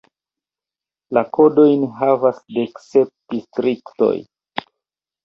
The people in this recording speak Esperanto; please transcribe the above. La kodojn havas dek sep distriktoj.